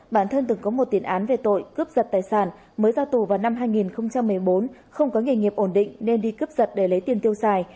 bản thân từng có một tiền án về tội cướp giật tài sản mới ra tù vào năm hai nghìn một mươi bốn không có nghề nghiệp ổn định nên đi cướp giật để lấy tiền tiêu xài